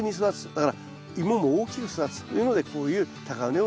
だからイモも大きく育つというのでこういう高畝を作ってますね。